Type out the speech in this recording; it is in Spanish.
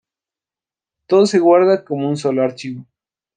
Todo se guarda como un solo archivo.